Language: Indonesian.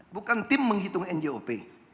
bukan tim menghitung njop